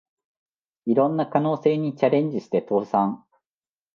いろんな可能性にチャレンジして倒産